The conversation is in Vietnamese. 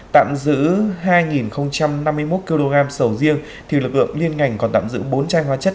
tạm giữ hai năm mươi một kg sầu riêng thì lực lượng liên ngành còn tạm giữ bốn chai hóa chất